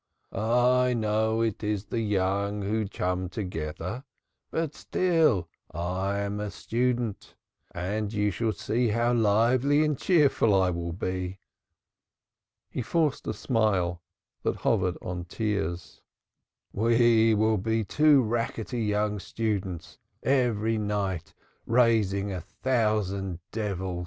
"I know it is the young who chum together, but still I am a student. And you shall see how lively and cheerful I will be." He forced a smile that hovered on tears. "We shall be two rackety young students, every night raising a thousand devils.